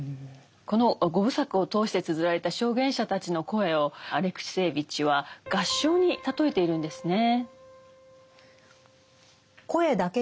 この五部作を通してつづられた証言者たちの声をアレクシエーヴィチは合唱に例えているんですね。